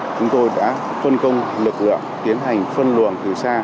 chúng tôi đã phân công lực lượng tiến hành phân luồng